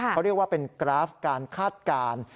เขาเรียกว่าเป็นกราฟการคาดการณ์